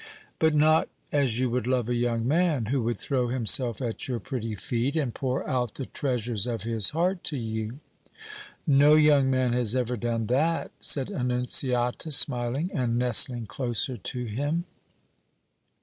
"But not as you would love a young man, who would throw himself at your pretty feet and pour out the treasures of his heart to you!" "No young man has ever done that," said Annunziata, smiling and nestling closer to him.